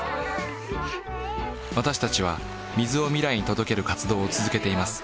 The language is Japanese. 私たちは水を未来に届ける活動を続けています